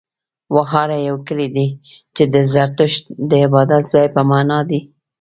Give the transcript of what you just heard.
وهاره يو کلی دی، چې د زرتښت د عبادت ځای په معنا دی.